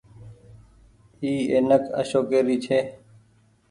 اي اينڪ اشوڪي ري ڇي۔